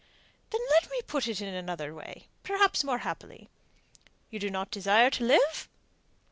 "Then let me put it in another way perhaps more happily: You do not desire to live?"